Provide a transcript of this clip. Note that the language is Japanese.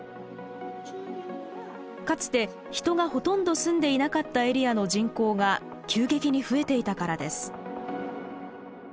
かつて人がほとんど住んでいなかったエリアの人口が急激に増えていたからです。